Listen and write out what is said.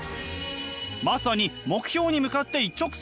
まさに目標に向かって一直線。